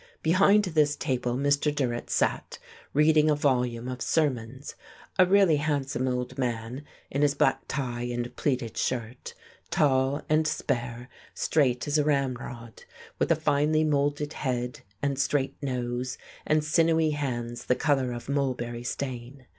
Behind this table Mr. Durrett sat reading a volume of sermons, a really handsome old man in his black tie and pleated shirt; tall and spare, straight as a ramrod, with a finely moulded head and straight nose and sinewy hands the colour of mulberry stain.